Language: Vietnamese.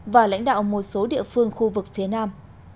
và lãnh đạo một số địa phương khu vực phía nam